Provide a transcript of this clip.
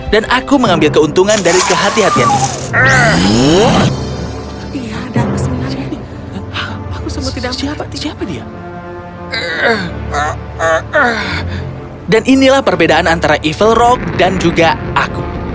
dan inilah perbedaan antara evil rock dan juga aku